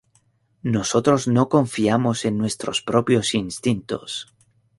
Nosotros no confiamos en nuestros propios instintos.